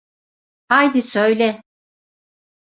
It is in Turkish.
Haydi söyle.